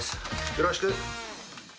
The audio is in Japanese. よろしく。